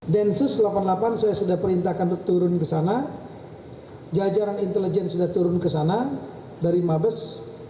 densus delapan puluh delapan saya sudah perintahkan untuk turun ke sana jajaran intelijen sudah turun ke sana dari mabes